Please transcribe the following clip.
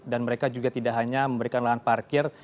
mereka juga tidak hanya memberikan lahan parkir